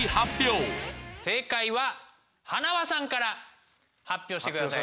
正解は塙さんから発表してください！